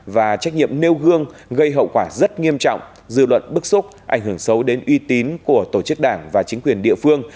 và trách nhiệm nêu gương gây hậu quả rất nghiêm trọng dư luận bức xúc ảnh hưởng xấu đến uy tín của tổ chức đảng và chính quyền địa phương